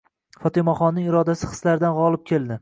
Fotimaxonning irodasi xislaridan g'olib keldi.